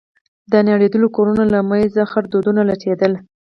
د نړېدلو كورونو له منځه خړ دودونه لټېدل.